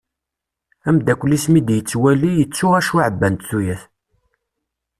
Ameddakel-is mi d-yettwali, yettu acu ɛebbant tuyat.